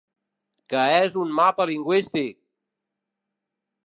Que és un mapa lingüístic!